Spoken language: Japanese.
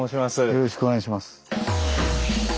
よろしくお願いします。